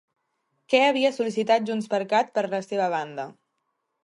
Què havia sol·licitat JxCat, per la seva banda?